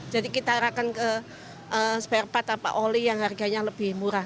jadi kita akan ke spare part apa oli yang harganya lebih murah